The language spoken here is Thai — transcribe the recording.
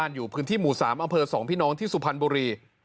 อยู่พื้นที่หมู่๓อำเภอ๒พี่น้องที่สุพรรณบุรี